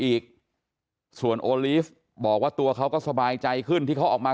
อีกส่วนโอลีฟบอกว่าตัวเขาก็สบายใจขึ้นที่เขาออกมา